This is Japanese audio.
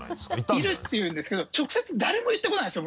いるって言うんですけど直接誰も言ってこないんですよ